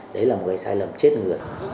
đấy là một người sai lầm chết người